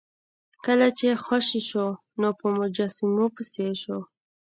کله چې خوشې شو نو په مجسمو پسې شو.